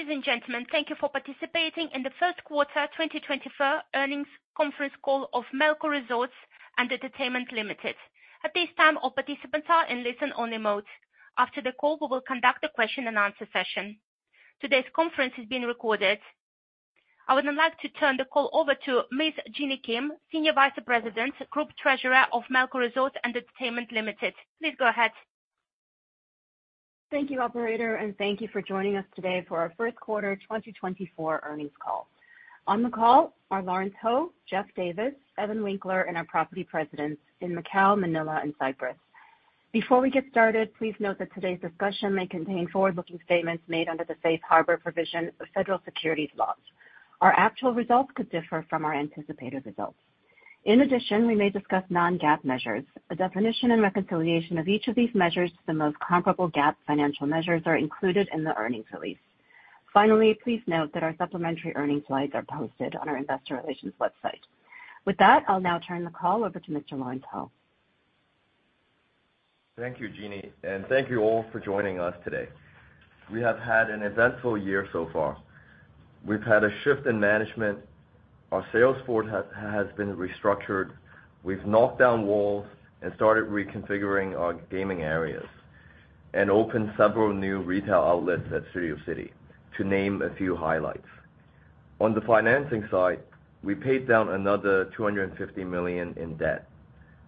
Ladies and gentlemen, thank you for participating in the first quarter 2024 earnings conference call of Melco Resorts & Entertainment Limited. At this time, all participants are in listen-only mode. After the call, we will conduct a question-and-answer session. Today's conference is being recorded. I would now like to turn the call over to Ms. Jeanny Kim, Senior Vice President, Group Treasurer of Melco Resorts & Entertainment Limited. Please go ahead. Thank you, operator, and thank you for joining us today for our first quarter 2024 earnings call. On the call are Lawrence Ho, Geoffrey Davis, Evan Winkler, and our property presidents in Macau, Manila, and Cyprus. Before we get started, please note that today's discussion may contain forward-looking statements made under the safe harbor provision of federal securities laws. Our actual results could differ from our anticipated results. In addition, we may discuss non-GAAP measures. A definition and reconciliation of each of these measures to the most comparable GAAP financial measures are included in the earnings release. Finally, please note that our supplementary earnings slides are posted on our investor relations website. With that, I'll now turn the call over to Mr. Lawrence Ho. Thank you, Jeanny, and thank you all for joining us today. We have had an eventful year so far. We've had a shift in management, our sales force has been restructured, we've knocked down walls and started reconfiguring our gaming areas, and opened several new retail outlets at Studio City, to name a few highlights. On the financing side, we paid down another $250 million in debt,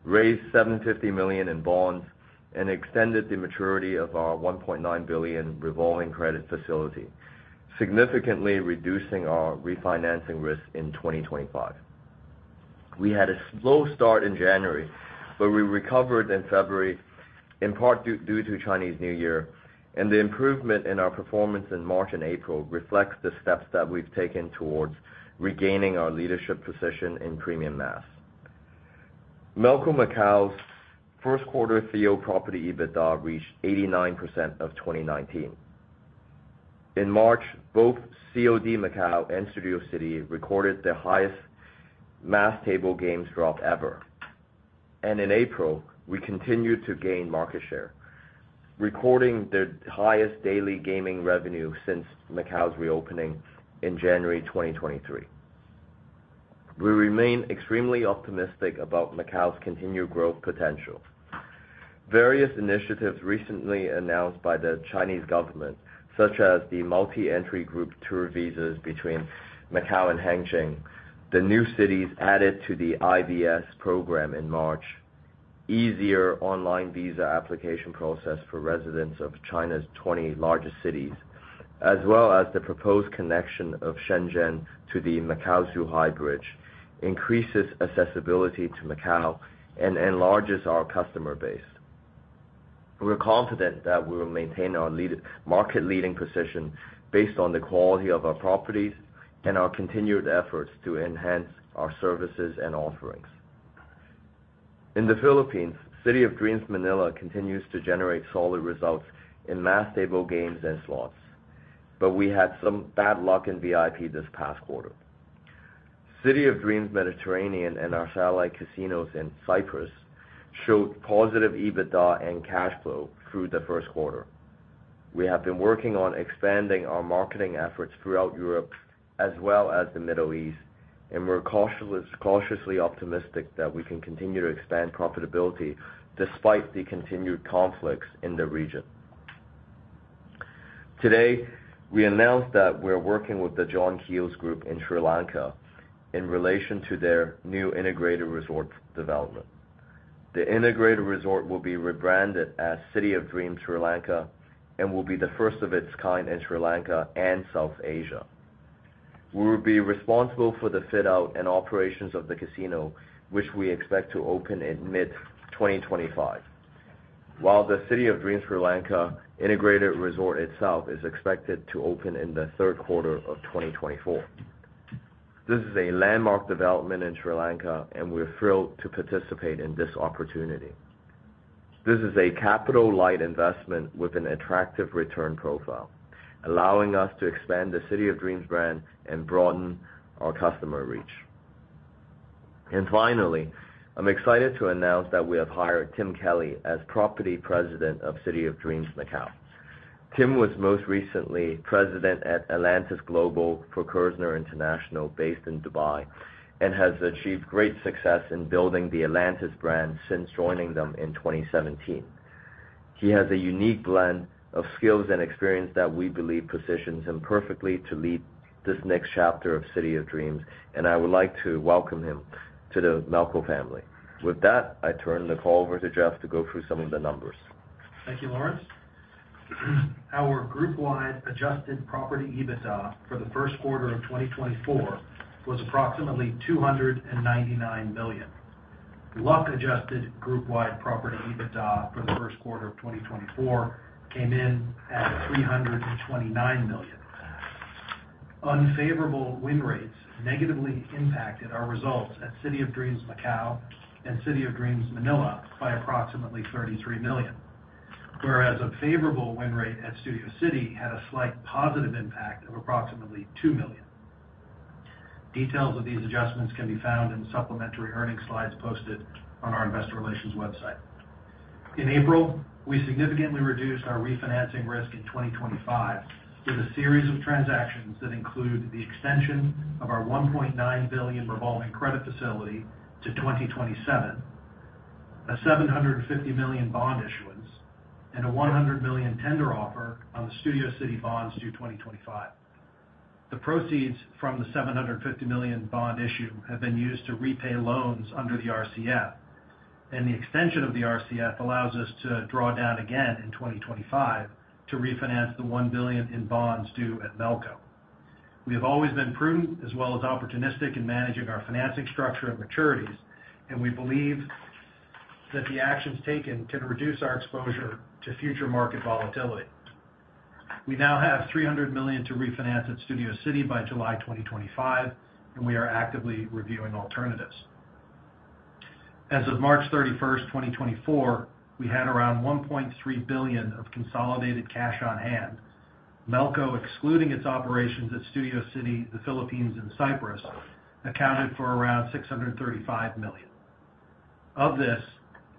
raised $750 million in bonds, and extended the maturity of our $1.9 billion revolving credit facility, significantly reducing our refinancing risk in 2025. We had a slow start in January, but we recovered in February, in part due to Chinese New Year, and the improvement in our performance in March and April reflects the steps that we've taken towards regaining our leadership position in Premium Mass. Melco Macau's first quarter Theo Property EBITDA reached 89% of 2019. In March, both COD Macau and Studio City recorded their highest mass table games drop ever. In April, we continued to gain market share, recording the highest daily gaming revenue since Macau's reopening in January 2023. We remain extremely optimistic about Macau's continued growth potential. Various initiatives recently announced by the Chinese government, such as the multi-entry group tour visas between Macau and Hangzhou, the new cities added to the IVS program in March, easier online visa application process for residents of China's 20 largest cities, as well as the proposed connection of Shenzhen to the Macau-Zhuhai Bridge, increases accessibility to Macau and enlarges our customer base. We're confident that we will maintain our lead-market-leading position based on the quality of our properties and our continued efforts to enhance our services and offerings. In the Philippines, City of Dreams Manila continues to generate solid results in Mass Table Games and slots, but we had some bad luck in VIP this past quarter. City of Dreams Mediterranean and our satellite casinos in Cyprus showed positive EBITDA and cash flow through the first quarter. We have been working on expanding our marketing efforts throughout Europe as well as the Middle East, and we're cautiously, cautiously optimistic that we can continue to expand profitability despite the continued conflicts in the region. Today, we announced that we're working with the John Keells Group in Sri Lanka in relation to their new integrated resort development. The integrated resort will be rebranded as City of Dreams Sri Lanka, and will be the first of its kind in Sri Lanka and South Asia. We will be responsible for the fit-out and operations of the casino, which we expect to open in mid-2025. While the City of Dreams Sri Lanka integrated resort itself is expected to open in the third quarter of 2024. This is a landmark development in Sri Lanka, and we're thrilled to participate in this opportunity. This is a capital-light investment with an attractive return profile, allowing us to expand the City of Dreams brand and broaden our customer reach. Finally, I'm excited to announce that we have hired Tim Kelly as Property President of City of Dreams Macau. Tim was most recently president at Atlantis Global for Kerzner International, based in Dubai, and has achieved great success in building the Atlantis brand since joining them in 2017. He has a unique blend of skills and experience that we believe positions him perfectly to lead this next chapter of City of Dreams, and I would like to welcome him to the Melco family. With that, I turn the call over to Jeff to go through some of the numbers. Thank you, Lawrence. Our group-wide adjusted property EBITDA for the first quarter of 2024 was approximately $299 million. Luck-adjusted group-wide property EBITDA for the first quarter of 2024 came in at $329 million. Unfavorable win rates negatively impacted our results at City of Dreams Macau and City of Dreams Manila by approximately $33 million, whereas a favorable win rate at Studio City had a slight positive impact of approximately $2 million. ...Details of these adjustments can be found in the supplementary earnings slides posted on our investor relations website. In April, we significantly reduced our refinancing risk in 2025 with a series of transactions that include the extension of our $1.9 billion revolving credit facility to 2027, a $750 million bond issuance, and a $100 million tender offer on the Studio City bonds due 2025. The proceeds from the $750 million bond issue have been used to repay loans under the RCF, and the extension of the RCF allows us to draw down again in 2025 to refinance the $1 billion in bonds due at Melco. We have always been prudent as well as opportunistic in managing our financing structure and maturities, and we believe that the actions taken can reduce our exposure to future market volatility. We now have $300 million to refinance at Studio City by July 2025, and we are actively reviewing alternatives. As of March 31, 2024, we had around $1.3 billion of consolidated cash on hand. Melco, excluding its operations at Studio City, the Philippines and Cyprus, accounted for around $635 million. Of this,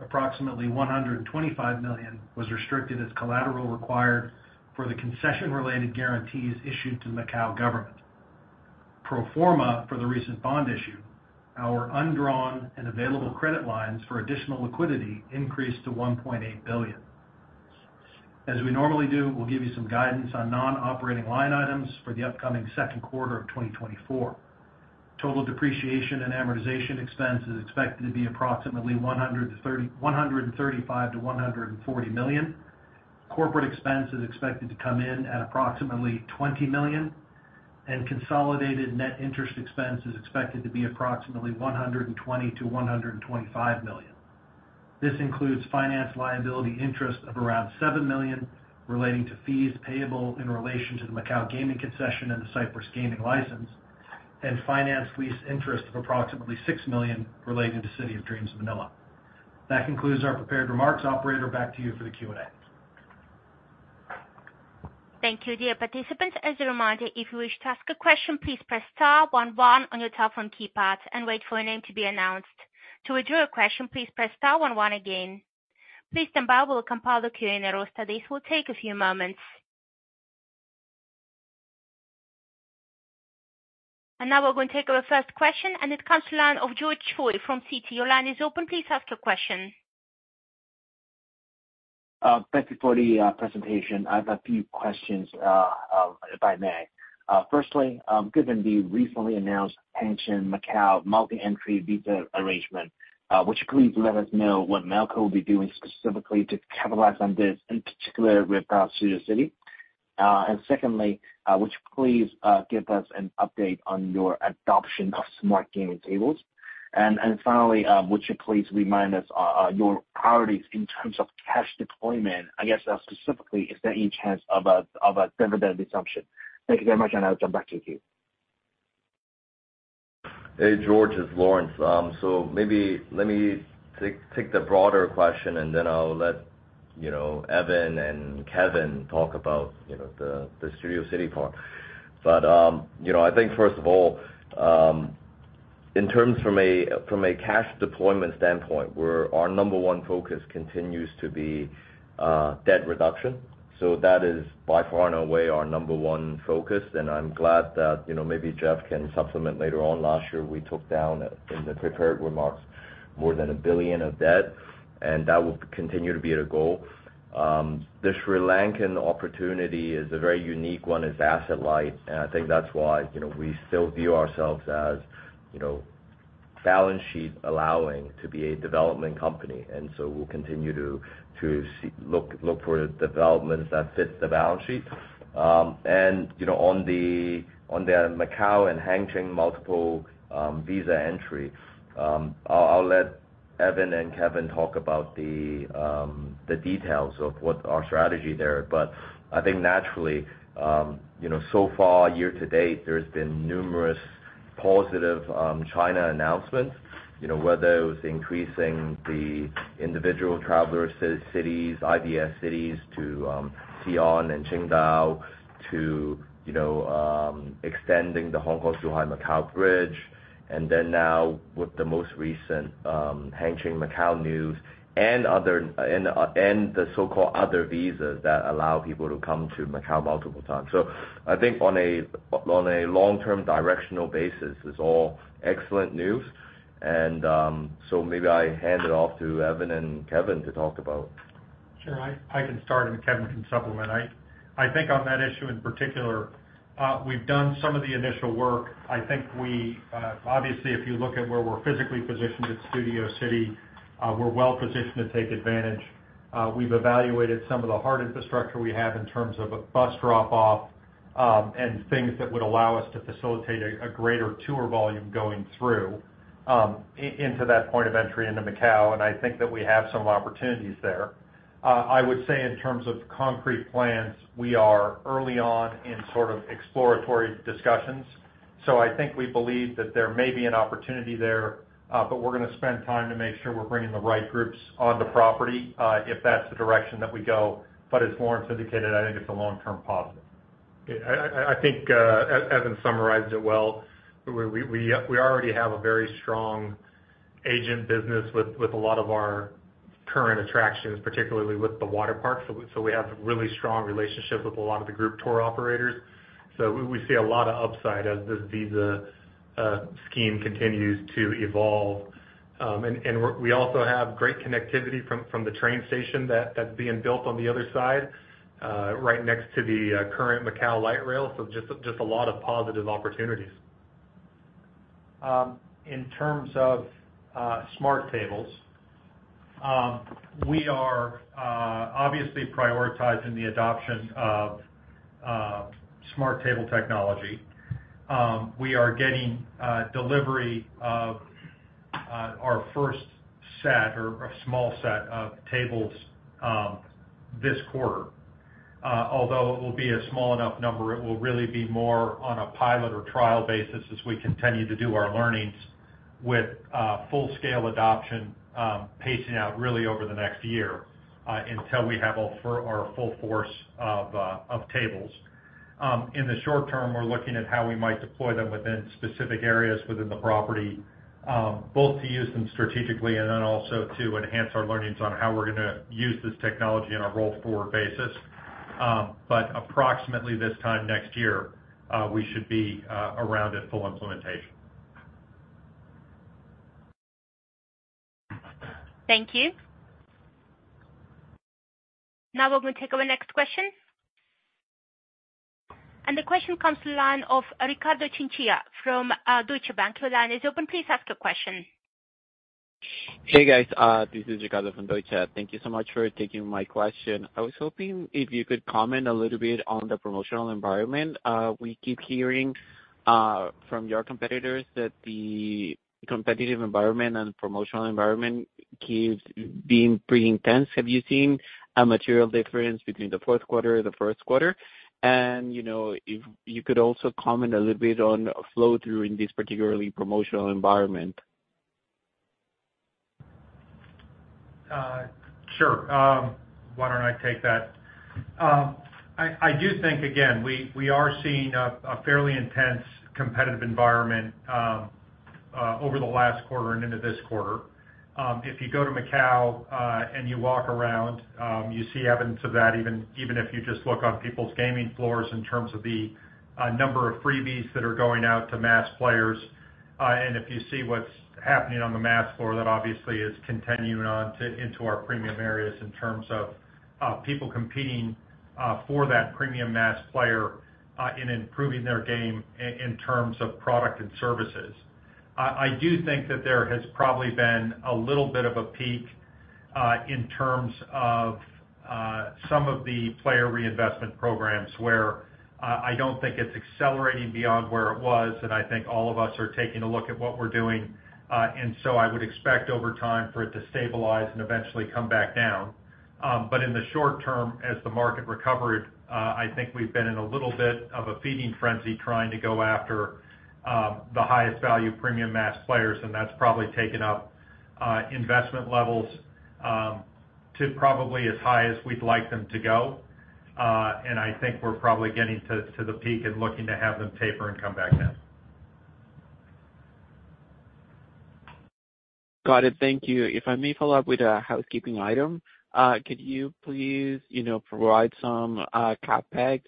approximately $125 million was restricted as collateral required for the concession-related guarantees issued to Macau government. Pro forma for the recent bond issue, our undrawn and available credit lines for additional liquidity increased to $1.8 billion. As we normally do, we'll give you some guidance on non-operating line items for the upcoming second quarter of 2024. Total depreciation and amortization expense is expected to be approximately $135 million-$140 million. Corporate expense is expected to come in at approximately $20 million, and consolidated net interest expense is expected to be approximately $120 million-$125 million. This includes finance liability interest of around $7 million relating to fees payable in relation to the Macau gaming concession and the Cyprus gaming license, and finance lease interest of approximately $6 million relating to City of Dreams Manila. That concludes our prepared remarks. Operator, back to you for the Q&A. Thank you, dear participants. As a reminder, if you wish to ask a question, please press star one one on your telephone keypad and wait for your name to be announced. To withdraw your question, please press star one one again. Please stand by while we compile the Q&A roster. This will take a few moments. Now we're going to take our first question, and it comes to line of George Choi from Citi. Your line is open. Please ask your question. Thank you for the presentation. I have a few questions, if I may. Firstly, given the recently announced Hengqin Macao multi-entry visa arrangement, would you please let us know what Melco will be doing specifically to capitalize on this, in particular with Studio City? And secondly, would you please give us an update on your adoption of smart gaming tables? And finally, would you please remind us your priorities in terms of cash deployment? I guess, specifically, is there any chance of a dividend resumption? Thank you very much, and I'll turn back to you. Hey, George, it's Lawrence. So maybe let me take the broader question, and then I'll let, you know, Evan and Kevin talk about, you know, the Studio City part. But, you know, I think first of all, in terms from a cash deployment standpoint, where our number one focus continues to be debt reduction. So that is by far and away our number one focus, and I'm glad that, you know, maybe Jeff can supplement later on. Last year, we took down, in the prepared remarks, more than $1 billion of debt, and that will continue to be the goal. The Sri Lankan opportunity is a very unique one. It's asset light, and I think that's why, you know, we still view ourselves as, you know, balance sheet allowing to be a development company, and so we'll continue to look for developments that fit the balance sheet. And, you know, on the Macau and Hengqin multiple visa entry, I'll let Evan and Kevin talk about the details of what our strategy there. But I think naturally, you know, so far, year to date, there's been numerous positive China announcements. You know, whether it was increasing the individual traveler cities, IVS cities, to Xi'an and Qingdao, to, you know, extending the Hong Kong-Zhuhai-Macau Bridge, and then now with the most recent Hengqin-Macau news and the so-called other visas that allow people to come to Macau multiple times. I think on a long-term directional basis, it's all excellent news, and so maybe I hand it off to Evan and Kevin to talk about. Sure. I can start, and Kevin can supplement. I think on that issue in particular, we've done some of the initial work. I think we obviously, if you look at where we're physically positioned at Studio City, we're well positioned to take advantage. We've evaluated some of the hard infrastructure we have in terms of a bus drop-off, and things that would allow us to facilitate a greater tour volume going through into that point of entry into Macau, and I think that we have some opportunities there. I would say in terms of concrete plans, we are early on in sort of exploratory discussions, so I think we believe that there may be an opportunity there, but we're going to spend time to make sure we're bringing the right groups on the property, if that's the direction that we go. But as Lawrence indicated, I think it's a long-term positive.... I think Evan summarized it well. We already have a very strong agent business with a lot of our current attractions, particularly with the water park. So we have really strong relationships with a lot of the group tour operators. So we see a lot of upside as this visa scheme continues to evolve. And we also have great connectivity from the train station that's being built on the other side, right next to the current Macau light rail. So just a lot of positive opportunities. In terms of smart tables, we are obviously prioritizing the adoption of smart table technology. We are getting delivery of our first set or a small set of tables this quarter. Although it will be a small enough number, it will really be more on a pilot or trial basis as we continue to do our learnings with full-scale adoption, pacing out really over the next year until we have our full force of tables. In the short term, we're looking at how we might deploy them within specific areas within the property, both to use them strategically and then also to enhance our learnings on how we're gonna use this technology on a roll forward basis. Approximately this time next year, we should be around at full implementation. Thank you. Now we're going to take our next question. The question comes to the line of Ricardo Chinchilla from Deutsche Bank. Your line is open, please ask your question. Hey, guys, this is Ricardo from Deutsche. Thank you so much for taking my question. I was hoping if you could comment a little bit on the promotional environment. We keep hearing from your competitors that the competitive environment and promotional environment keeps being pretty intense. Have you seen a material difference between the fourth quarter and the first quarter? And, you know, if you could also comment a little bit on flow through in this particularly promotional environment. Sure. Why don't I take that? I do think, again, we are seeing a fairly intense competitive environment over the last quarter and into this quarter. If you go to Macau and you walk around, you see evidence of that, even if you just look on people's gaming floors in terms of the number of freebies that are going out to mass players. And if you see what's happening on the mass floor, that obviously is continuing into our premium areas in terms of people competing for that premium mass player in improving their game in terms of product and services. I do think that there has probably been a little bit of a peak in terms of some of the player reinvestment programs, where I don't think it's accelerating beyond where it was, and I think all of us are taking a look at what we're doing. And so I would expect over time for it to stabilize and eventually come back down. But in the short term, as the market recovered, I think we've been in a little bit of a feeding frenzy, trying to go after the highest value premium mass players, and that's probably taken up investment levels to probably as high as we'd like them to go. And I think we're probably getting to the peak and looking to have them taper and come back down. Got it. Thank you. If I may follow up with a housekeeping item, could you please, you know, provide some CapEx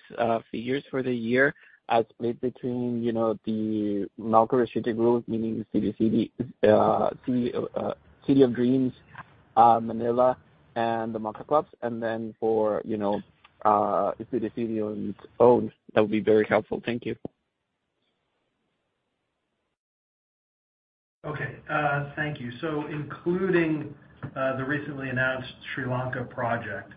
figures for the year as split between, you know, the Melco Resorts group, meaning Studio City, City of Dreams Manila and the Mocha Clubs, and then for, you know, Studio City on its own? That would be very helpful. Thank you. Okay, thank you. So including the recently announced Sri Lanka project,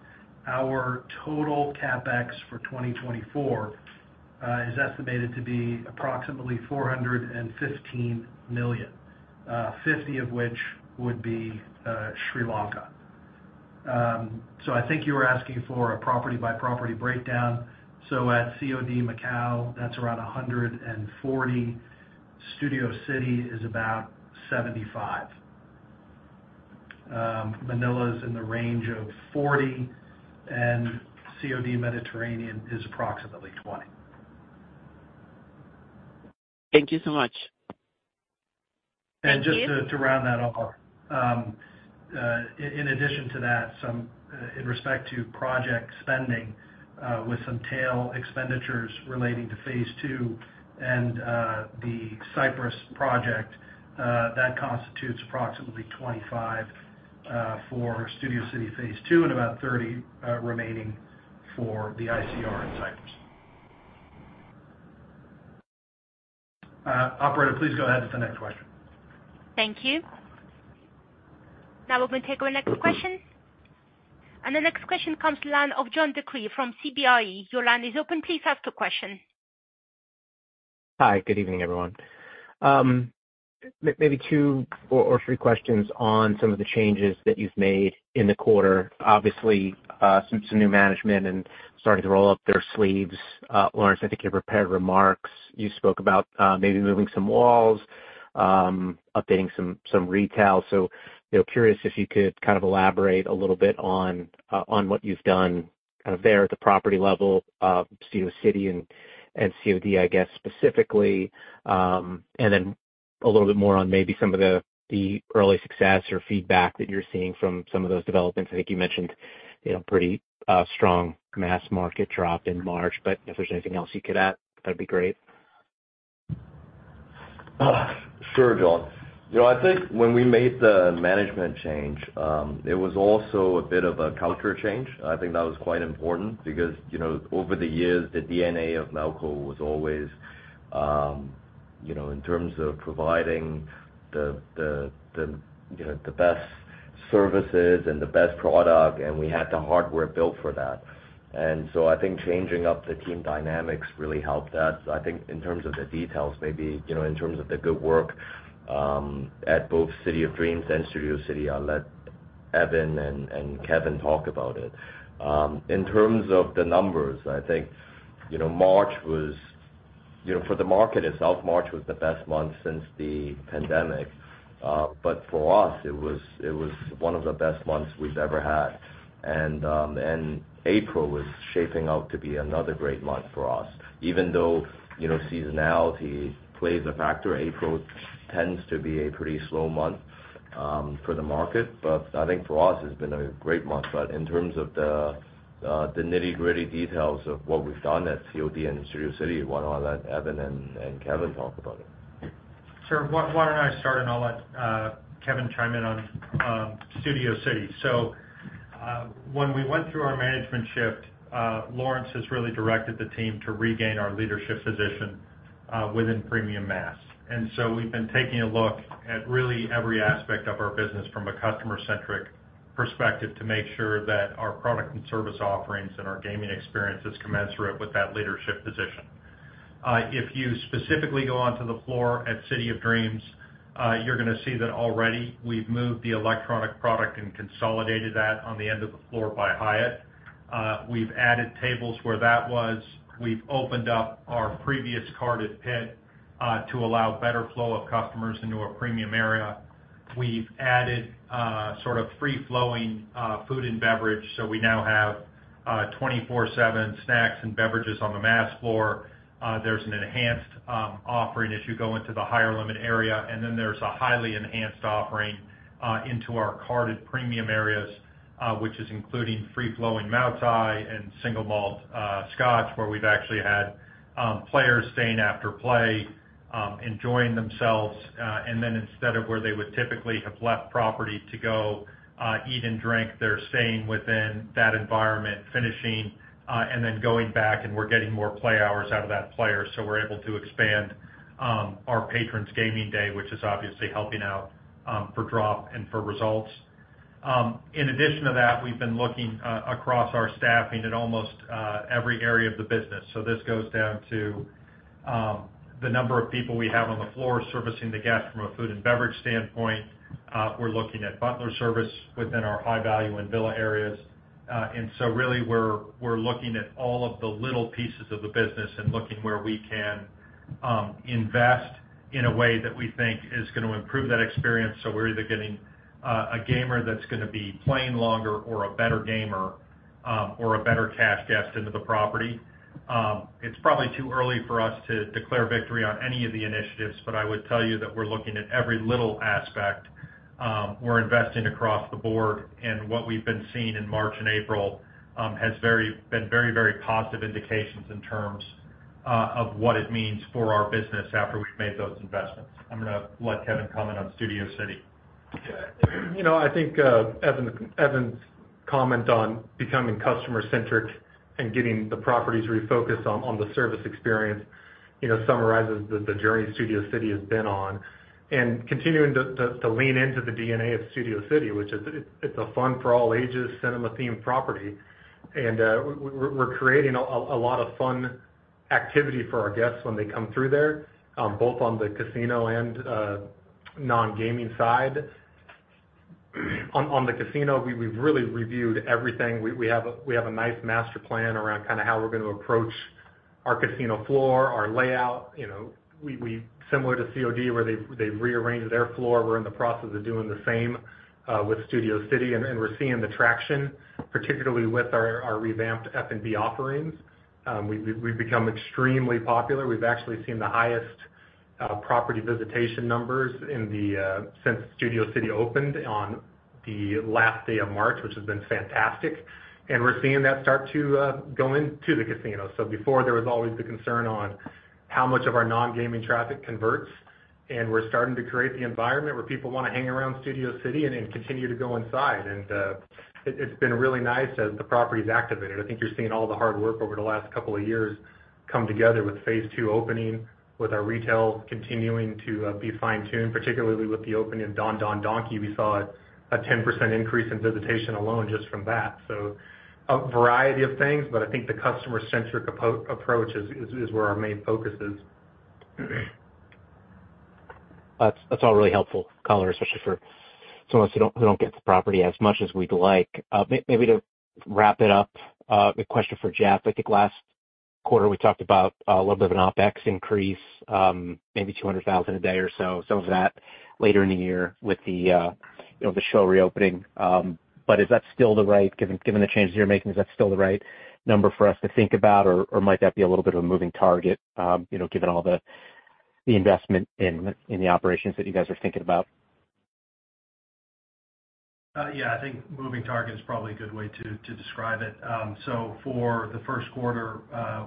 our total CapEx for 2024 is estimated to be approximately $415 million, $50 million of which would be Sri Lanka. So I think you were asking for a property-by-property breakdown. So at COD Macau, that's around $140 million. Studio City is about $75 million. Manila is in the range of $40 million, and COD Mediterranean is approximately $20 million. Thank you so much. Thank you. Just to round that off, in addition to that, some in respect to project spending, with some tail expenditures relating to Phase II and the Cyprus project, that constitutes approximately $25 million for Studio City Phase II, and about $30 million remaining for the ICR in Cyprus. Operator, please go ahead with the next question. Thank you. Now we're going to take our next question. The next question comes to the line of John DeCree from CBRE. Your line is open. Please ask your question. Hi, good evening, everyone. Maybe two or three questions on some of the changes that you've made in the quarter. Obviously, some new management and starting to roll up their sleeves. Lawrence, I think your prepared remarks, you spoke about maybe moving some walls, updating some retail. So, you know, curious if you could kind of elaborate a little bit on what you've done kind of there at the property level of Studio City and COD, I guess, specifically. And then a little bit more on maybe some of the early success or feedback that you're seeing from some of those developments. I think you mentioned, you know, pretty strong mass market drop in March, but if there's anything else you could add, that'd be great. Sure, John. You know, I think when we made the management change, it was also a bit of a culture change. I think that was quite important because, you know, over the years, the DNA of Melco was always, you know, in terms of providing the best services and the best product, and we had the hardware built for that. And so I think changing up the team dynamics really helped us. I think in terms of the details, maybe, you know, in terms of the good work at both City of Dreams and Studio City, I'll let Evan and Kevin talk about it. In terms of the numbers, I think, you know, March was... You know, for the market itself, March was the best month since the pandemic, but for us, it was, it was one of the best months we've ever had. And, and April was shaping out to be another great month for us, even though, you know, seasonality plays a factor. April tends to be a pretty slow month, for the market, but I think for us, it's been a great month. But in terms of the, the nitty-gritty details of what we've done at COD and Studio City, why don't I let Evan and, and Kevin talk about it? Sure. Why, why don't I start, and I'll let Kevin chime in on Studio City? So, when we went through our management shift, Lawrence has really directed the team to regain our leadership position within premium mass. And so we've been taking a look at really every aspect of our business from a customer-centric perspective, to make sure that our product and service offerings and our gaming experience is commensurate with that leadership position. If you specifically go onto the floor at City of Dreams, you're going to see that already we've moved the electronic product and consolidated that on the end of the floor by Hyatt. We've added tables where that was. We've opened up our previous carded pit, to allow better flow of customers into a premium area. We've added, sort of free-flowing, food and beverage, so we now have 24/7 snacks and beverages on the mass floor. There's an enhanced, offering as you go into the higher limit area, and then there's a highly enhanced offering, into our carded premium areas, which is including free-flowing Maotai and single malt, scotch, where we've actually had, players staying after play, enjoying themselves. And then instead of where they would typically have left property to go, eat and drink, they're staying within that environment, finishing, and then going back, and we're getting more play hours out of that player. So we're able to expand, our patrons' gaming day, which is obviously helping out, for drop and for results. In addition to that, we've been looking across our staffing at almost every area of the business. So this goes down to the number of people we have on the floor servicing the guests from a food and beverage standpoint. We're looking at butler service within our high-value and villa areas. And so really, we're looking at all of the little pieces of the business and looking where we can invest in a way that we think is going to improve that experience. So we're either getting a gamer that's going to be playing longer or a better gamer, or a better cash guest into the property. It's probably too early for us to declare victory on any of the initiatives, but I would tell you that we're looking at every little aspect. We're investing across the board, and what we've been seeing in March and April has been very, very positive indications in terms of what it means for our business after we've made those investments. I'm going to let Kevin comment on Studio City. You know, I think, Evan, Evan's comment on becoming customer-centric and getting the properties refocused on, on the service experience, you know, summarizes the journey Studio City has been on. And continuing to lean into the DNA of Studio City, which is it's a fun for all ages, cinema-themed property. And, we're creating a lot of fun activity for our guests when they come through there, both on the casino and, non-gaming side. On the casino, we've really reviewed everything. We have a nice master plan around kind of how we're going to approach our casino floor, our layout. You know, similar to COD, where they rearranged their floor, we're in the process of doing the same, with Studio City. We're seeing the traction, particularly with our revamped F&B offerings. We've become extremely popular. We've actually seen the highest property visitation numbers since Studio City opened on the last day of March, which has been fantastic. We're seeing that start to go into the casino. So before, there was always the concern on how much of our non-gaming traffic converts, and we're starting to create the environment where people want to hang around Studio City and then continue to go inside. It's been really nice as the property's activated. I think you're seeing all the hard work over the last couple of years come together with Phase II opening, with our retail continuing to be fine-tuned, particularly with the opening of Don Don Donki. We saw a 10% increase in visitation alone just from that. So a variety of things, but I think the customer-centric approach is where our main focus is. That's all really helpful color, especially for some of us who don't get to the property as much as we'd like. Maybe to wrap it up, a question for Jeff. I think last quarter, we talked about a little bit of an OpEx increase, maybe $200,000 a day or so, some of that later in the year with the, you know, the show reopening. But is that still the right, given the changes you're making, is that still the right number for us to think about, or might that be a little bit of a moving target, you know, given all the investment in the operations that you guys are thinking about? Yeah, I think moving target is probably a good way to, to describe it. So for the first quarter,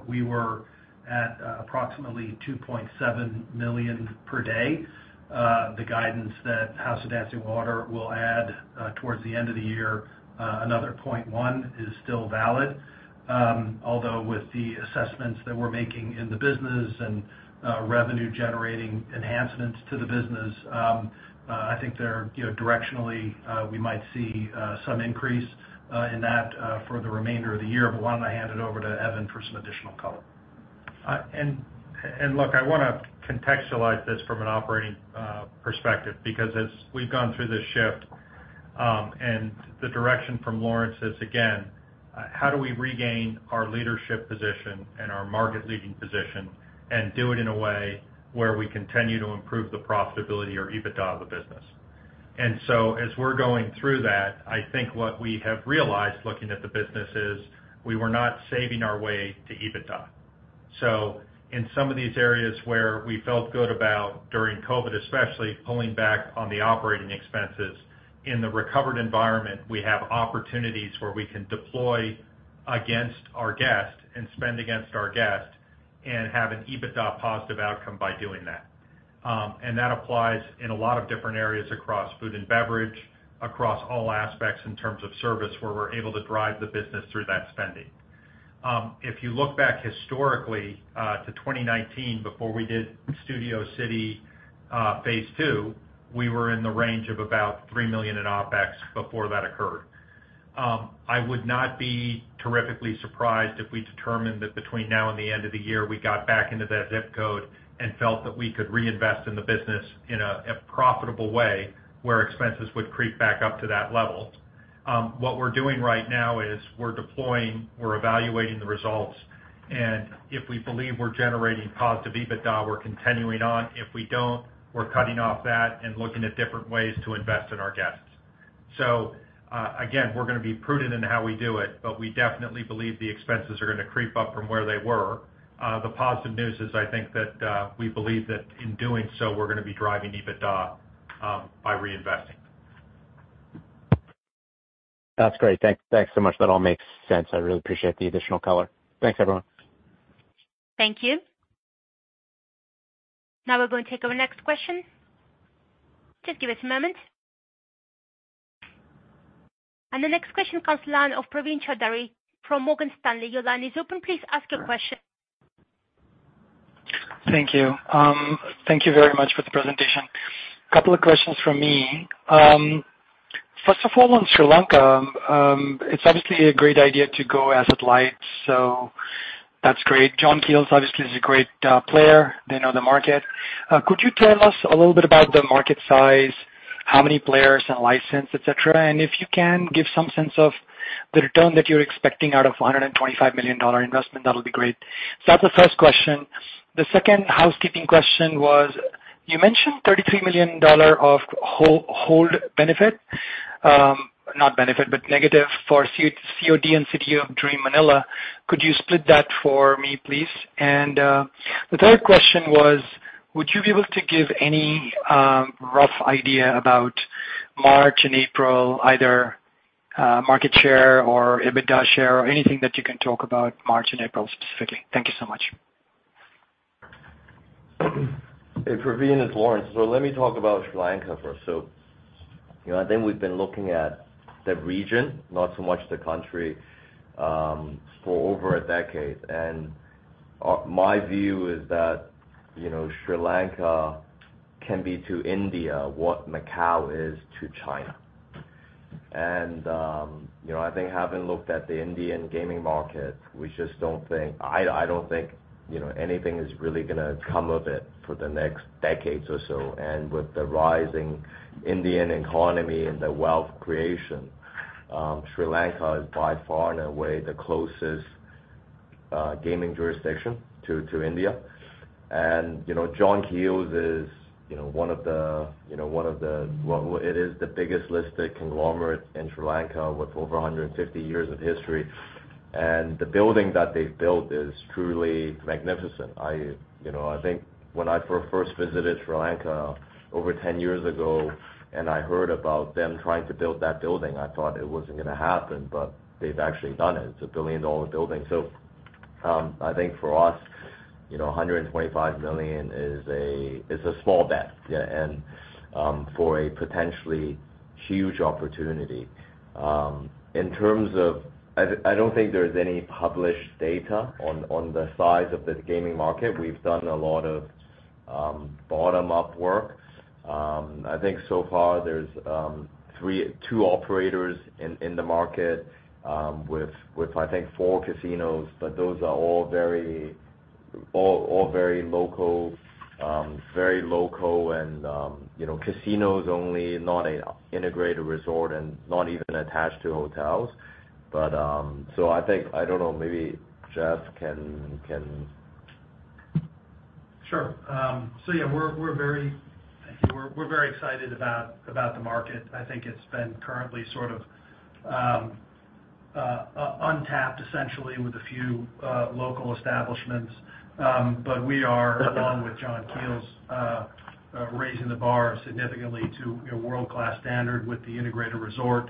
we were at approximately $2.7 million per day. The guidance that House of Dancing Water will add, towards the end of the year, another $0.1, is still valid. Although with the assessments that we're making in the business and, revenue generating enhancements to the business, I think they're, you know, directionally, we might see, some increase, in that, for the remainder of the year. But why don't I hand it over to Evan for some additional color? And look, I want to contextualize this from an operating perspective, because as we've gone through this shift, and the direction from Lawrence is, again, how do we regain our leadership position and our market leading position, and do it in a way where we continue to improve the profitability or EBITDA of the business? So as we're going through that, I think what we have realized looking at the business is, we were not saving our way to EBITDA. So in some of these areas where we felt good about, during COVID especially, pulling back on the operating expenses, in the recovered environment, we have opportunities where we can deploy against our guests and spend against our guests, and have an EBITDA positive outcome by doing that. That applies in a lot of different areas across food and beverage, across all aspects in terms of service, where we're able to drive the business through that spending. If you look back historically, to 2019, before we did Studio City Phase II, we were in the range of about $3 million in OpEx before that occurred. I would not be terrifically surprised if we determine that between now and the end of the year, we got back into that zip code and felt that we could reinvest in the business in a profitable way, where expenses would creep back up to that level. What we're doing right now is we're deploying, we're evaluating the results, and if we believe we're generating positive EBITDA, we're continuing on. If we don't, we're cutting off that and looking at different ways to invest in our guests. So, again, we're gonna be prudent in how we do it, but we definitely believe the expenses are gonna creep up from where they were. The positive news is I think that we believe that in doing so, we're gonna be driving EBITDA by reinvesting. That's great. Thank, thanks so much. That all makes sense. I really appreciate the additional color. Thanks, everyone. Thank you. Now we're going to take our next question. Just give us a moment. The next question comes from the line of Praveen Choudhary from Morgan Stanley. Your line is open, please ask your question. Thank you. Thank you very much for the presentation. Couple of questions from me. First of all, on Sri Lanka, it's obviously a great idea to go asset-light, so that's great. John Keells obviously is a great player. They know the market. Could you tell us a little bit about the market size, how many players and license, et cetera? And if you can, give some sense of the return that you're expecting out of a $125 million investment, that'll be great. So that's the first question. The second housekeeping question was, you mentioned $33 million of hold benefit, not benefit, but negative for COD and City of Dreams Manila. Could you split that for me, please? And, the third question was, would you be able to give any rough idea about March and April, either market share or EBITDA share, or anything that you can talk about March and April, specifically? Thank you so much. Hey, Praveen, it's Lawrence. So let me talk about Sri Lanka first. So, you know, I think we've been looking at the region, not so much the country, for over a decade. And, my view is that, you know, Sri Lanka can be to India, what Macau is to China. And, you know, I think having looked at the Indian gaming market, we just don't think—I don't think, you know, anything is really gonna come of it for the next decades or so. And with the rising Indian economy and the wealth creation, Sri Lanka is by far and away, the closest, gaming jurisdiction to India. And, you know, John Keells is, you know, one of the, you know, one of the... Well, it is the biggest listed conglomerate in Sri Lanka, with over 150 years of history. The building that they've built is truly magnificent. I, you know, I think when I first visited Sri Lanka over 10 years ago, and I heard about them trying to build that building, I thought it wasn't gonna happen, but they've actually done it. It's a billion-dollar building. So, I think for us, you know, $125 million is a, it's a small bet, yeah, and, for a potentially huge opportunity. In terms of... I, I don't think there's any published data on, on the size of the gaming market. We've done a lot of, bottom-up work. I think so far there's, two operators in, in the market, with, with, I think four casinos, but those are all very-... all, all very local, very local and, you know, casinos only, not an integrated resort and not even attached to hotels. But, so I think, I don't know, maybe Jeff can. Sure. So yeah, we're, we're very, I think we're, we're very excited about, about the market. I think it's been currently sort of untapped, essentially, with a few local establishments. But we are, along with John Keells, raising the bar significantly to a world-class standard with the integrated resort,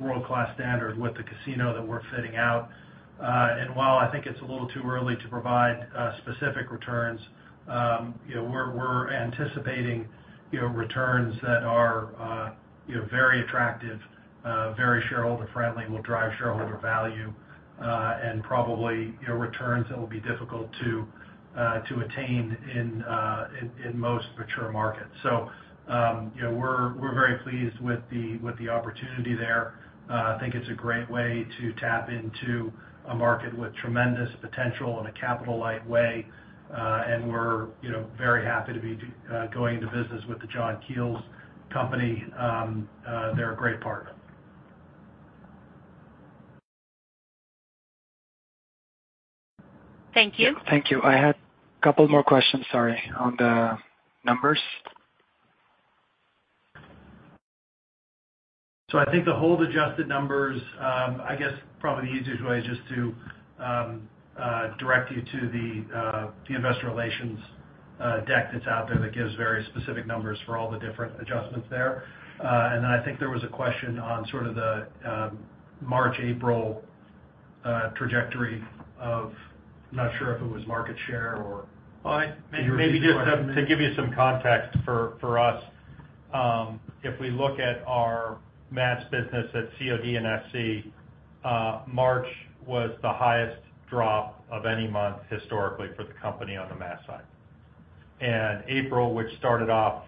world-class standard with the casino that we're fitting out. While I think it's a little too early to provide specific returns, you know, we're anticipating, you know, returns that are, you know, very attractive, very shareholder-friendly, will drive shareholder value, and probably, you know, returns that will be difficult to attain in most mature markets. You know, we're very pleased with the opportunity there. I think it's a great way to tap into a market with tremendous potential in a capital-light way. We're, you know, very happy to be going into business with the John Keells company. They're a great partner. Thank you. Thank you. I had a couple more questions, sorry, on the numbers. So I think the hold adjusted numbers, I guess probably the easiest way is just to direct you to the investor relations deck that's out there that gives very specific numbers for all the different adjustments there. And then I think there was a question on sort of the March, April trajectory of... I'm not sure if it was market share or- Well, I- maybe just to give you some context for us, if we look at our mass business at COD and SC, March was the highest drop of any month historically for the company on the mass side. April, which started off,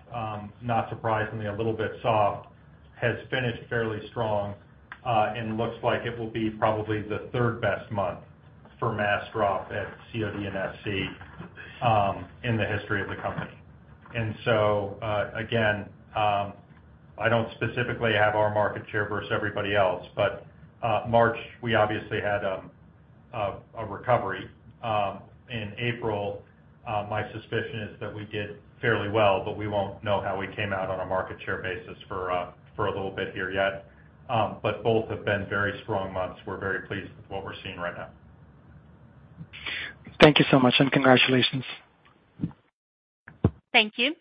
not surprisingly, a little bit soft, has finished fairly strong, and looks like it will be probably the third-best month for mass drop at COD and SC, in the history of the company. And so, again, I don't specifically have our market share versus everybody else, but, March, we obviously had, a recovery. In April, my suspicion is that we did fairly well, but we won't know how we came out on a market share basis for a little bit here yet. But both have been very strong months. We're very pleased with what we're seeing right now. Thank you so much, and congratulations. Thank you.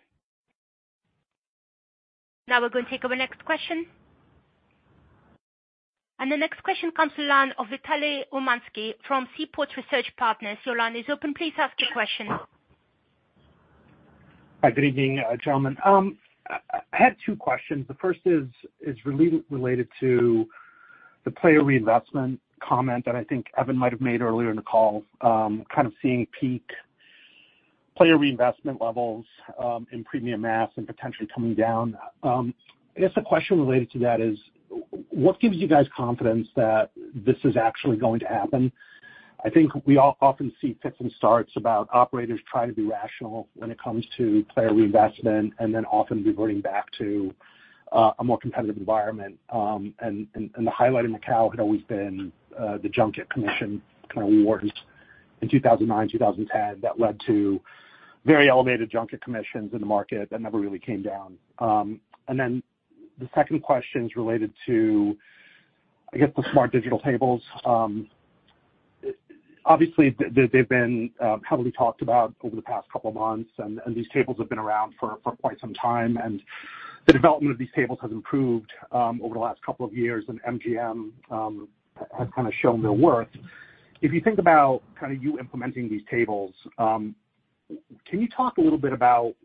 Now we're going to take our next question. The next question comes from the line of Vitaly Umansky from Seaport Research Partners. Your line is open. Please ask your question. Hi, good evening, gentlemen. I had two questions. The first is related to the player reinvestment comment that I think Evan might have made earlier in the call, kind of seeing peak player reinvestment levels in premium mass and potentially coming down. I guess the question related to that is, what gives you guys confidence that this is actually going to happen? I think we all often see fits and starts about operators trying to be rational when it comes to player reinvestment, and then often reverting back to a more competitive environment. And the highlight in the call had always been the junket commission kind of awards in 2009, 2010, that led to very elevated junket commissions in the market that never really came down. Then the second question is related to, I guess, the smart digital tables. Obviously, they've been heavily talked about over the past couple of months, and these tables have been around for quite some time, and the development of these tables has improved over the last couple of years, and MGM have kind of shown their worth. If you think about kind of you implementing these tables, can you talk a little bit about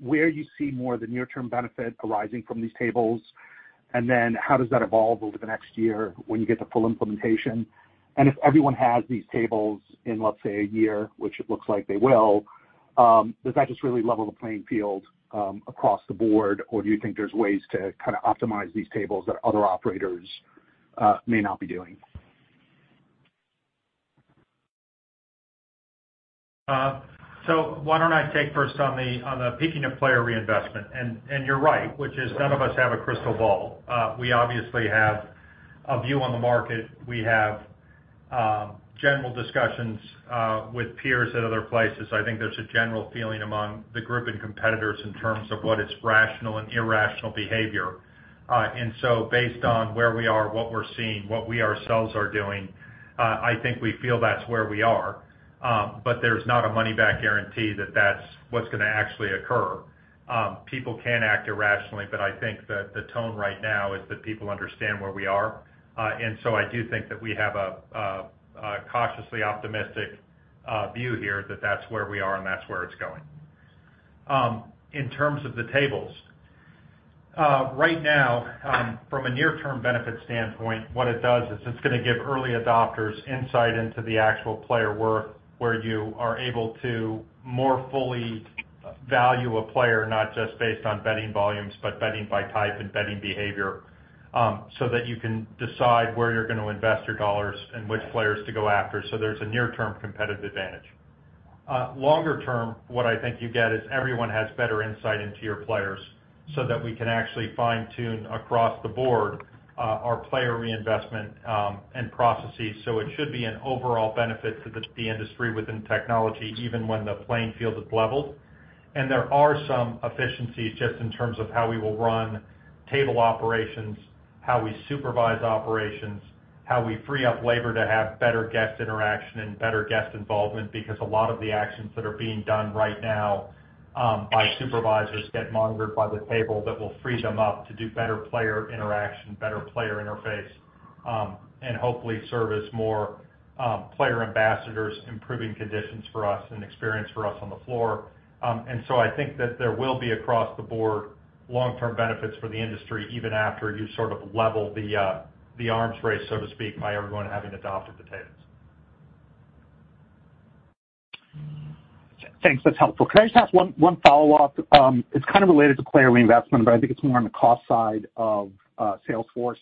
where you see more of the near-term benefit arising from these tables? Then how does that evolve over the next year when you get to full implementation? If everyone has these tables in, let's say, a year, which it looks like they will, does that just really level the playing field, across the board, or do you think there's ways to kind of optimize these tables that other operators may not be doing? So why don't I take first on the peaking of player reinvestment. And you're right, which is none of us have a crystal ball. We obviously have a view on the market. We have general discussions with peers at other places. I think there's a general feeling among the group and competitors in terms of what is rational and irrational behavior. And so based on where we are, what we're seeing, what we ourselves are doing, I think we feel that's where we are. But there's not a money-back guarantee that that's what's gonna actually occur. People can act irrationally, but I think that the tone right now is that people understand where we are. And so I do think that we have a cautiously optimistic view here, that that's where we are and that's where it's going. In terms of the tables, right now, from a near-term benefit standpoint, what it does is it's gonna give early adopters insight into the actual player work, where you are able to more fully value a player, not just based on betting volumes, but betting by type and betting behavior, so that you can decide where you're going to invest your dollars and which players to go after. So there's a near-term competitive advantage. Longer term, what I think you get is everyone has better insight into your players, so that we can actually fine-tune across the board, our player reinvestment, and processes. So it should be an overall benefit to the industry within technology, even when the playing field is leveled. And there are some efficiencies just in terms of how we will run table operations, how we supervise operations, how we free up labor to have better guest interaction and better guest involvement, because a lot of the actions that are being done right now by supervisors get monitored by the table, that will free them up to do better player interaction, better player interface, and hopefully serve as more player ambassadors, improving conditions for us and experience for us on the floor. And so I think that there will be, across the board, long-term benefits for the industry, even after you sort of level the arms race, so to speak, by everyone having adopted the tables. Thanks. That's helpful. Could I just ask one, one follow-up? It's kind of related to player reinvestment, but I think it's more on the cost side of sales force.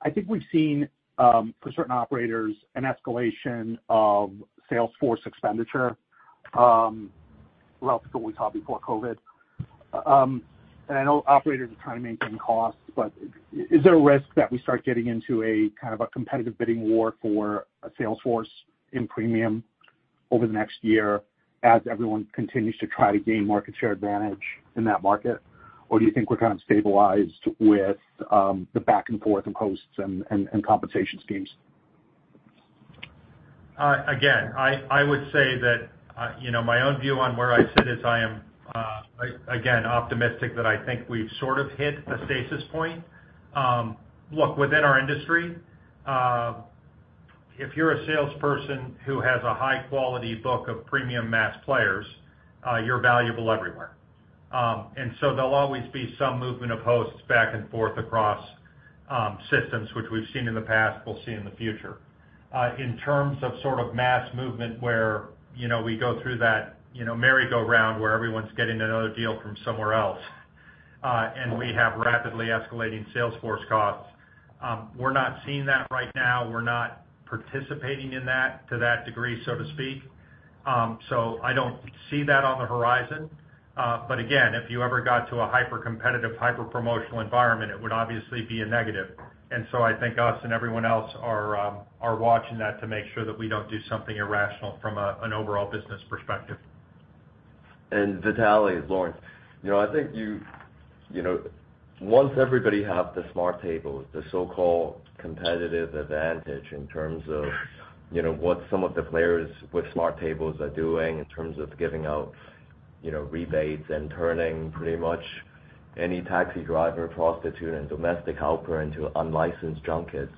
I think we've seen, for certain operators, an escalation of sales force expenditure, relative to what we saw before COVID. And I know operators are trying to maintain costs, but is there a risk that we start getting into a kind of a competitive bidding war for a sales force in premium over the next year as everyone continues to try to gain market share advantage in that market? Or do you think we're kind of stabilized with the back and forth and posts and compensation schemes? Again, I would say that, you know, my own view on where I sit is I am again optimistic that I think we've sort of hit a stasis point. Look, within our industry, if you're a salesperson who has a high quality book of premium mass players, you're valuable everywhere. And so there'll always be some movement of hosts back and forth across systems which we've seen in the past, we'll see in the future. In terms of sort of mass movement, where, you know, we go through that, you know, merry-go-round, where everyone's getting another deal from somewhere else, and we have rapidly escalating sales force costs. We're not seeing that right now. We're not participating in that to that degree, so to speak. So I don't see that on the horizon. But again, if you ever got to a hyper-competitive, hyper-promotional environment, it would obviously be a negative. And so I think us and everyone else are watching that to make sure that we don't do something irrational from an overall business perspective. Vitaly, it's Lawrence. You know, I think you know, once everybody have the smart tables, the so-called competitive advantage in terms of, you know, what some of the players with smart tables are doing, in terms of giving out, you know, rebates and turning pretty much any taxi driver, prostitute, and domestic helper into unlicensed junkets,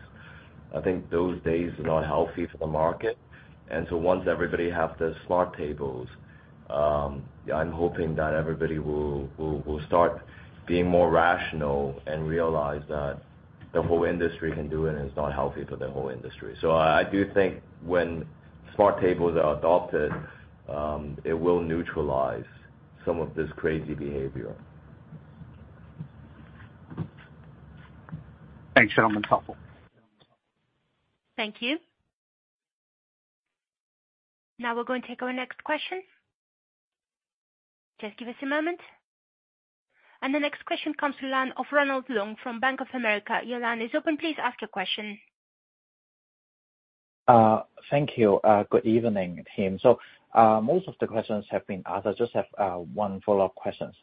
I think those days are not healthy for the market. And so once everybody have the smart tables, I'm hoping that everybody will start being more rational and realize that the whole industry can do it, and it's not healthy for the whole industry. So I do think when smart tables are adopted, it will neutralize some of this crazy behavior. Thanks, gentlemen. That's helpful. Thank you. Now we're going to take our next question. Just give us a moment. The next question comes to the line of Ronald Leung from Bank of America. Your line is open. Please ask your question. Thank you. Good evening, team. Most of the questions have been asked. I just have one follow-up questions.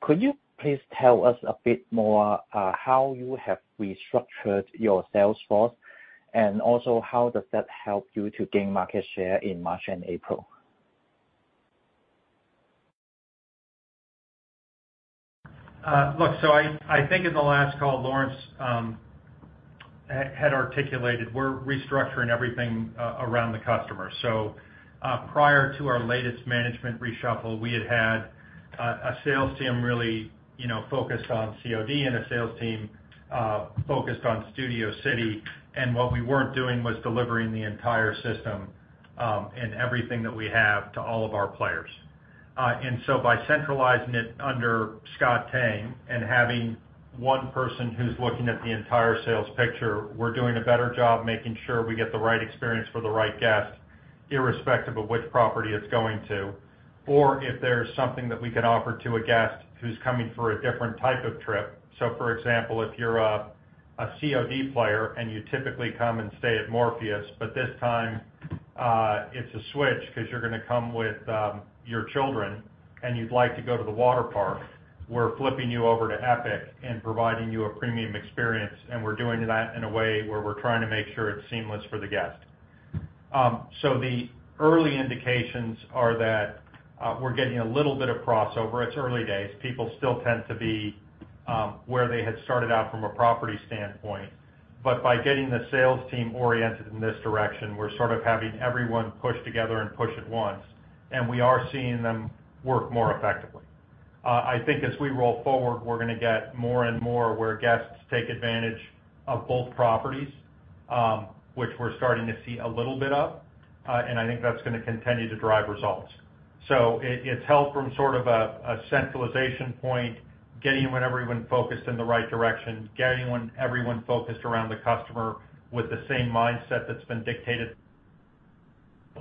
Could you please tell us a bit more how you have restructured your sales force? And also, how does that help you to gain market share in March and April? Look, so I think in the last call, Lawrence, had articulated, we're restructuring everything around the customer. So, prior to our latest management reshuffle, we had had a sales team really, you know, focused on COD and a sales team focused on Studio City, and what we weren't doing was delivering the entire system and everything that we have to all of our players. And so by centralizing it under Scott Tang and having one person who's looking at the entire sales picture, we're doing a better job making sure we get the right experience for the right guest, irrespective of which property it's going to, or if there's something that we can offer to a guest who's coming for a different type of trip. So, for example, if you're a COD player and you typically come and stay at Morpheus, but this time, it's a switch, 'cause you're gonna come with your children and you'd like to go to the water park, we're flipping you over to Epic and providing you a premium experience, and we're doing that in a way where we're trying to make sure it's seamless for the guest. So the early indications are that, we're getting a little bit of crossover. It's early days. People still tend to be, where they had started out from a property standpoint. But by getting the sales team oriented in this direction, we're sort of having everyone push together and push at once, and we are seeing them work more effectively. I think as we roll forward, we're gonna get more and more where guests take advantage of both properties, which we're starting to see a little bit of, and I think that's gonna continue to drive results. So it's helped from sort of a centralization point, getting whenever everyone focused in the right direction, getting when everyone focused around the customer with the same mindset that's been dictated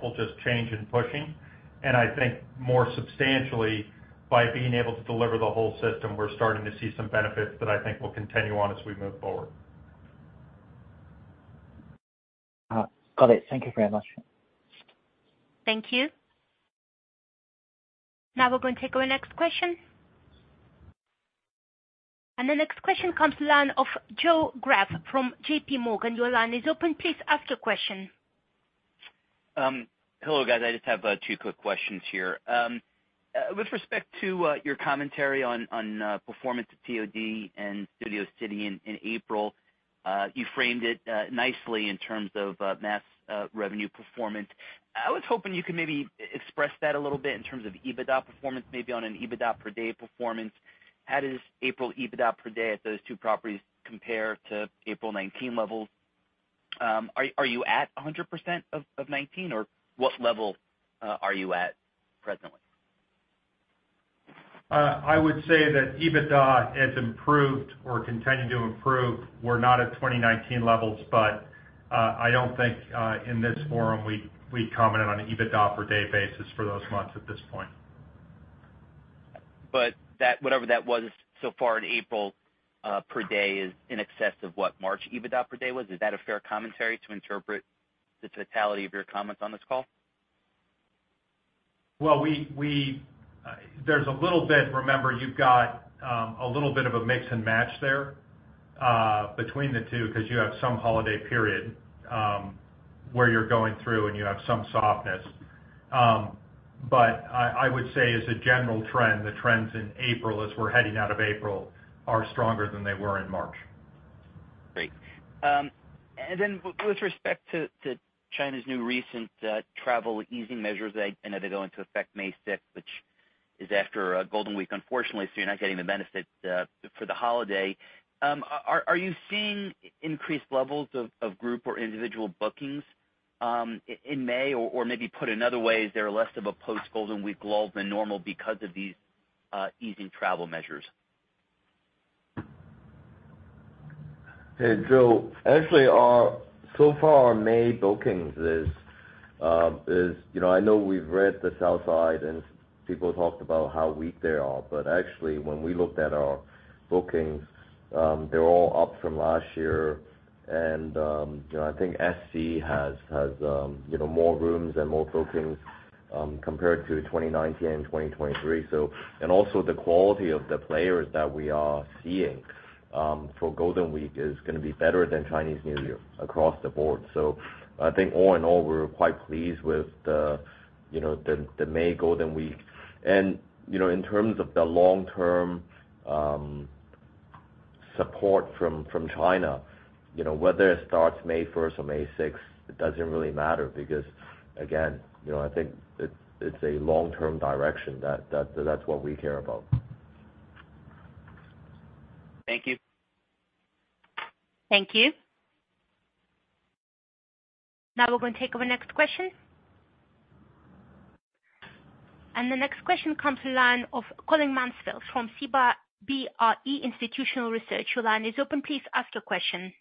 will just change in pushing. And I think more substantially, by being able to deliver the whole system, we're starting to see some benefits that I think will continue on as we move forward. Got it. Thank you very much. Thank you. Now we're going to take our next question. The next question comes from the line of Joe Greff from JP Morgan. Your line is open. Please ask your question. Hello, guys. I just have two quick questions here. With respect to your commentary on performance at COD and Studio City in April, you framed it nicely in terms of mass revenue performance. I was hoping you could maybe express that a little bit in terms of EBITDA performance, maybe on an EBITDA per day performance. How does April EBITDA per day at those two properties compare to April 2019 levels? Are you at 100% of 2019, or what level are you at presently? I would say that EBITDA has improved or continued to improve. We're not at 2019 levels, but I don't think in this forum we commented on an EBITDA per day basis for those months at this point. But that, whatever that was so far in April, per day is in excess of what March EBITDA per day was. Is that a fair commentary to interpret the totality of your comments on this call? Well, we-- there's a little bit... Remember, you've got a little bit of a mix and match there, between the two, because you have some holiday period, where you're going through and you have some softness. But I, I would say as a general trend, the trends in April, as we're heading out of April, are stronger than they were in March. Great. And then with respect to China's new recent travel easing measures, I know they go into effect May sixth, which is after Golden Week, unfortunately, so you're not getting the benefit for the holiday. Are you seeing increased levels of group or individual bookings in May? Or maybe put another way, is there less of a post-Golden Week lull than normal because of these easing travel measures? Hey, Joe. Actually, so far, our May bookings is, you know, I know we've read the south side, and people talked about how weak they are, but actually, when we looked at our bookings, they're all up from last year. And, you know, I think SC has, you know, more rooms and more bookings, compared to 2019 and 2023. So and also, the quality of the players that we are seeing, for Golden Week is gonna be better than Chinese New Year across the board. So I think all in all, we're quite pleased with the, you know, the May Golden Week. You know, in terms of the long-term support from China, you know, whether it starts May first or May sixth, it doesn't really matter, because again, you know, I think it's a long-term direction, that's what we care about. Thank you. Thank you. Now we're going to take our next question. The next question comes from the line of Colin Mansfield from CBRE Institutional Research. Your line is open. Please ask your question.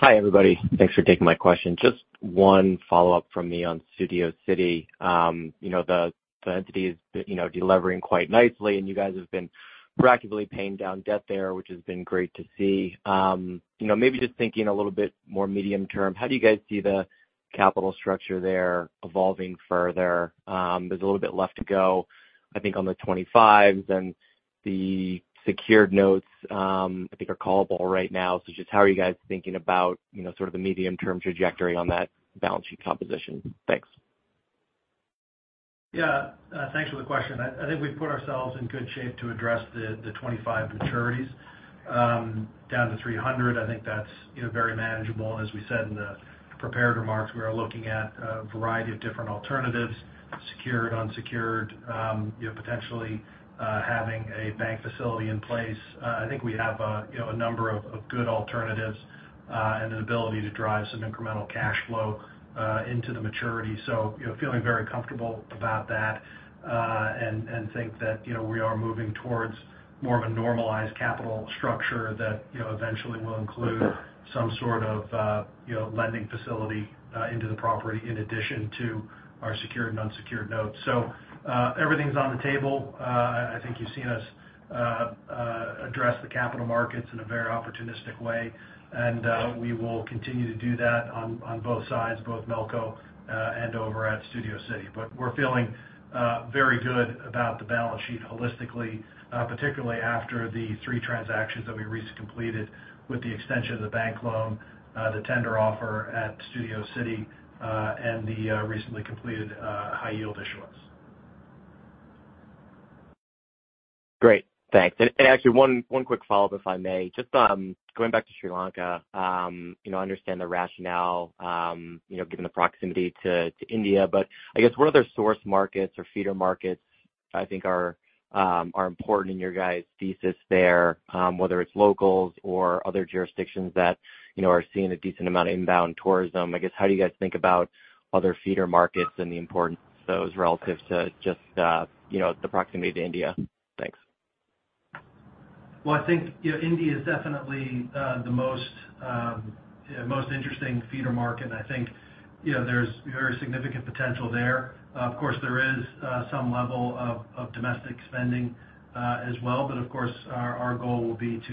Hi, everybody. Thanks for taking my question. Just one follow-up from me on Studio City. You know, the entity is, you know, delivering quite nicely, and you guys have been proactively paying down debt there, which has been great to see. You know, maybe just thinking a little bit more medium term, how do you guys see the capital structure there evolving further? There's a little bit left to go, I think, on the 25s and the secured notes, I think are callable right now. So just how are you guys thinking about, you know, sort of the medium-term trajectory on that balance sheet composition? Thanks. Yeah. Thanks for the question. I think we've put ourselves in good shape to address the $25 maturities down to $300. I think that's, you know, very manageable. And as we said in the prepared remarks, we are looking at a variety of different alternatives, secured, unsecured, you know, potentially having a bank facility in place. I think we have a, you know, a number of good alternatives, and an ability to drive some incremental cash flow into the maturity. So, you know, feeling very comfortable about that, and think that, you know, we are moving towards more of a normalized capital structure that, you know, eventually will include some sort of, you know, lending facility into the property, in addition to our secured and unsecured notes. So, everything's on the table. I think you've seen us address the capital markets in a very opportunistic way, and we will continue to do that on both sides, both Melco and over at Studio City. But we're feeling very good about the balance sheet holistically, particularly after the three transactions that we recently completed with the extension of the bank loan, the tender offer at Studio City, and the recently completed high yield issuance.... Great, thanks. And actually one quick follow-up, if I may. Just going back to Sri Lanka, you know, I understand the rationale, you know, given the proximity to India. But I guess, what other source markets or feeder markets I think are important in your guys' thesis there, whether it's locals or other jurisdictions that, you know, are seeing a decent amount of inbound tourism? I guess, how do you guys think about other feeder markets and the importance of those relative to just, you know, the proximity to India? Thanks. Well, I think, you know, India is definitely, the most, yeah, most interesting feeder market, and I think, you know, there's very significant potential there. Of course, there is, some level of, domestic spending, as well, but of course, our goal will be to,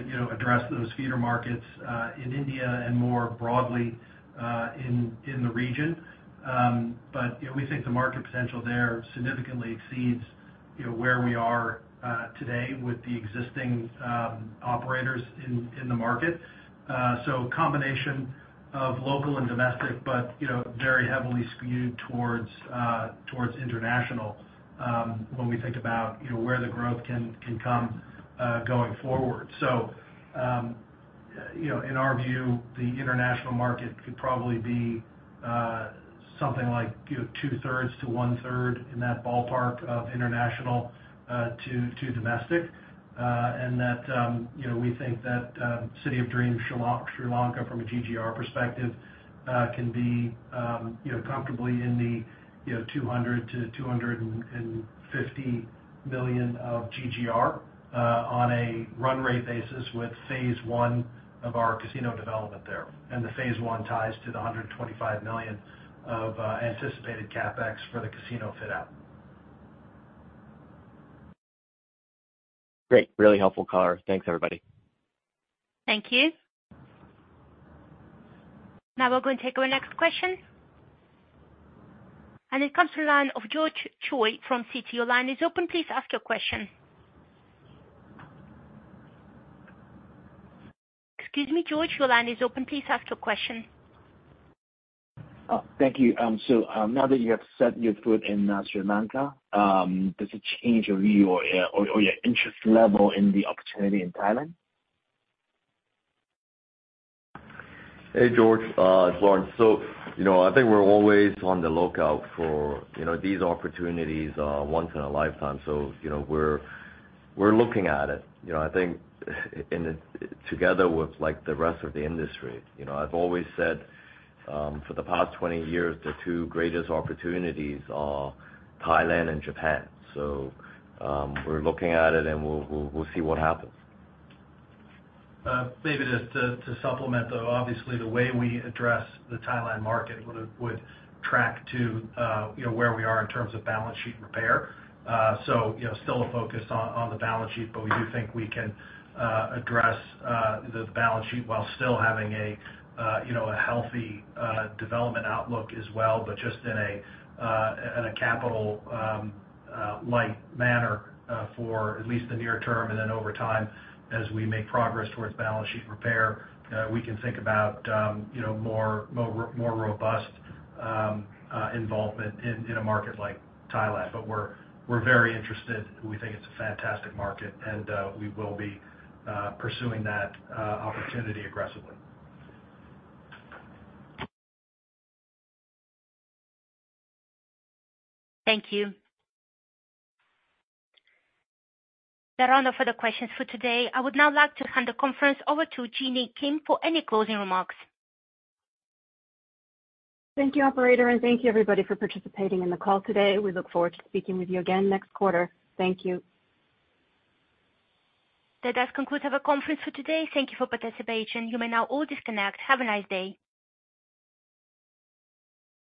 you know, address those feeder markets, in India and more broadly, in the region. But, you know, we think the market potential there significantly exceeds, you know, where we are, today with the existing, operators in the market. So combination of local and domestic, but, you know, very heavily skewed towards, towards international, when we think about, you know, where the growth can come, going forward. So, you know, in our view, the international market could probably be something like, you know, two-thirds to one-third in that ballpark of international to domestic. And that, you know, we think that City of Dreams Sri Lanka from a GGR perspective can be, you know, comfortably in the $200 million-$250 million of GGR on a run rate basis with Phase I of our casino development there. And the Phase I ties to the $125 million of anticipated CapEx for the casino fit-out. Great, really helpful color. Thanks, everybody. Thank you. Now we'll go and take our next question. It comes to the line of George Choi from CT. Your line is open, please ask your question. Excuse me, George, your line is open. Please ask your question. Thank you. So, now that you have set foot in Sri Lanka, does it change your view or your interest level in the opportunity in Thailand? Hey, George, it's Lawrence. So, you know, I think we're always on the lookout for... You know, these opportunities are once in a lifetime, so, you know, we're looking at it. You know, I think, together with, like, the rest of the industry. You know, I've always said, for the past 20 years, the two greatest opportunities are Thailand and Japan. So, we're looking at it, and we'll see what happens. Maybe just to supplement, though, obviously, the way we address the Thailand market would track to, you know, where we are in terms of balance sheet repair. So, you know, still a focus on the balance sheet, but we do think we can address the balance sheet while still having, you know, a healthy development outlook as well, but just in a capital-light manner, for at least the near term. And then over time, as we make progress towards balance sheet repair, we can think about, you know, more robust involvement in a market like Thailand. But we're very interested. We think it's a fantastic market, and we will be pursuing that opportunity aggressively. Thank you. There are no further questions for today. I would now like to hand the conference over to Jeanny Kim for any closing remarks. Thank you, operator, and thank you, everybody, for participating in the call today. We look forward to speaking with you again next quarter. Thank you. That does conclude our conference for today. Thank you for participation. You may now all disconnect. Have a nice day.